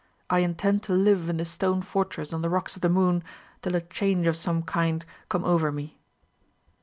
I intend to live in the stone fortress on the Rocks of the Moon, till a change of some kind come over me."